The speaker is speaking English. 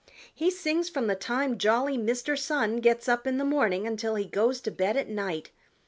He sings from the time jolly Mr. Sun gets up in the morning until he goes to bed at night.